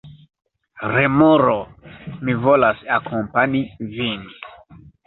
Remoro: "Mi volas akompani vin."